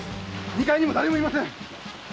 二階にも誰も居ません。